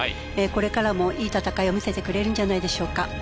これからもいい戦いを見せてくれるんじゃないでしょうか。